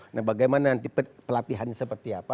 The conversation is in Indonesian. nah bagaimana nanti pelatihannya seperti apa